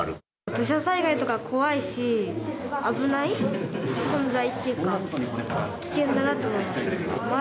土砂災害とか怖いし危ない存在というか危険だなと思いました。